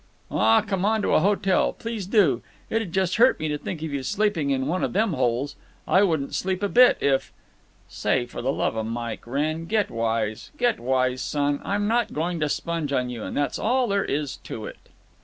"Aw, come on to a hotel. Please do! It 'd just hurt me to think of you sleeping in one of them holes. I wouldn't sleep a bit if—" "Say, for the love of Mike, Wrenn, get wise! Get wise, son! I'm not going to sponge on you, and that's all there is to it."